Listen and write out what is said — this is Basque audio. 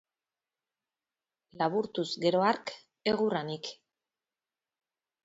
Laburtuz gero hark, egurra nik.